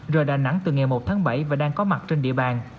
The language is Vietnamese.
rời đà nẵng từ ngày một tháng bảy và đang có mặt trên địa bàn